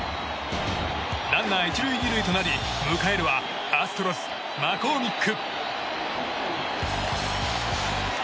ランナー１塁２塁となり迎えるはアストロズマコーミック。